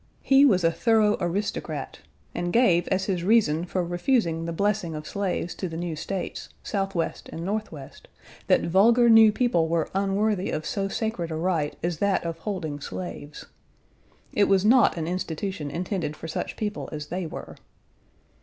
He was a thorough aristocrat, and gave as his reason for refusing the blessing of slaves to the new States, Southwest and Northwest, that vulgar new people were unworthy of so sacred a right as that of holding slaves. It was not an institution intended for such people as they were.